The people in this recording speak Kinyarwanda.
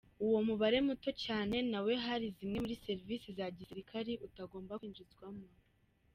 Uwo mubare muto cyane nawo hari zimwe muri serivisi za gisilikari utagomba kwinjizwamo.